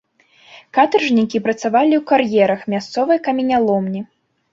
Катаржнікі працавалі ў кар'ерах мясцовай каменяломні.